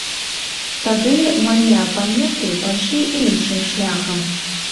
Тады мае апаненты пайшлі іншым шляхам.